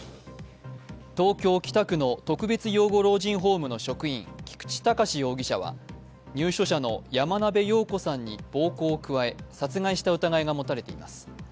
東京・北区の特別養護老人ホームの職員、菊池隆容疑者は入所者の山野辺陽子さんに暴行を加え殺害した疑いが持たれています。